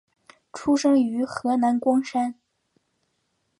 出生于河南光山。